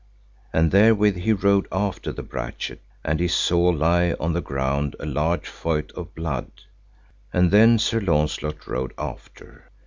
And therewith he rode after the brachet, and he saw lie on the ground a large feute of blood. And then Sir Launcelot rode after.